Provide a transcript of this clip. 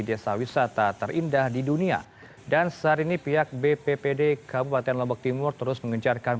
desa wisata terindah di dunia dan sehari ini pihak bppd kabupaten lombok timur terus mengencarkan